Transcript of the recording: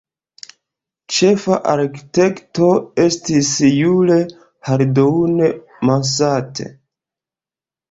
Ĉefa arkitekto estis Jules Hardouin-Mansart.